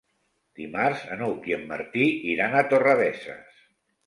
Dimarts n'Hug i en Martí iran a Torrebesses.